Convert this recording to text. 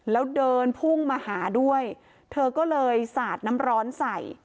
แล้วเดินพุ่งมาหาด้วยเธอก็เลยสาดน้ำร้อนใส่